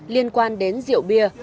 liên quan đến rượu bia